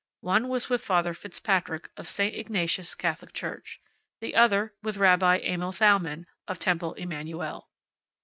One was with Father Fitzpatrick of St. Ignatius Catholic Church. The other with Rabbi Emil Thalmann of Temple Emanu el.